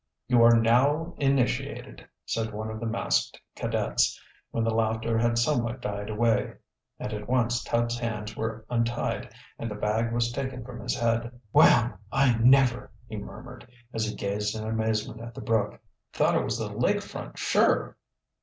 "You are now initiated," said one of the masked cadets, when the laughter had somewhat died away. And at once Tubbs' hands were untied and the bag was taken from his head. "Well, I never!" he murmured, as he gazed in amazement at the brook. "Thought it was the lake front sure!"